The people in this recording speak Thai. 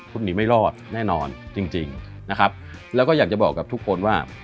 คุณหนีไม่รอดแน่นอนจริงนะครับแล้วก็อยากจะบอกกับทุกคนว่า